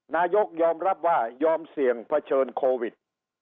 นายกยอมรับว่ายอมเสี่ยงเผชิญโควิด